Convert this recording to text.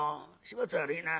始末悪いな。